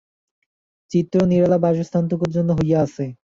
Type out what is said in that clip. চিত্তও সেই নিরালা বাসস্থানটুকুর জন্য সর্বদাই উৎকণ্ঠিত হইয়া আছে।